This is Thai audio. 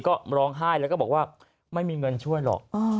ก็ร้องไห้แล้วก็บอกว่าไม่มีเงินช่วยหรอก